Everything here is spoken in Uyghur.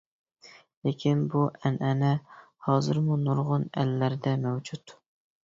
لېكىن بۇ ئەنئەنە ھازىرمۇ نۇرغۇن ئەللەردە مەۋجۇت.